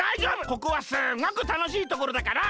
ここはすっごくたのしいところだから！